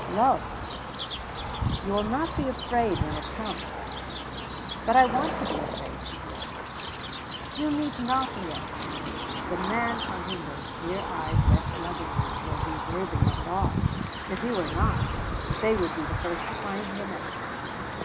"Love." "You will not be afraid of it when it comes." "But I want to be afraid," she said. "You need not," he answered. "The man on whom those clear eyes rest lovingly will be worthy of it all. If he were not, they would be the first to find him out."